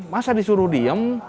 masa disuruh diam